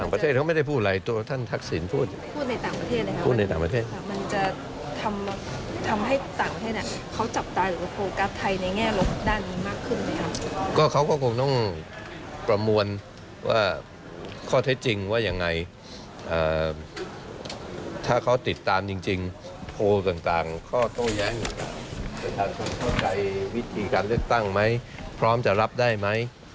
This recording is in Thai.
ใครวิธีการเลือกตั้งไหมพร้อมจะรับได้ไหม